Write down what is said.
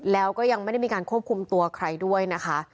แล้วก็ยังไม่ได้มีการควบคุมตัวใครด้วยนะคะ